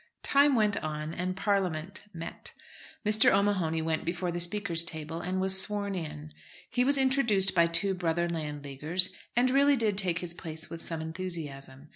Time went on and Parliament met. Mr. O'Mahony went before the Speaker's table and was sworn in. He was introduced by two brother Landleaguers, and really did take his place with some enthusiasm.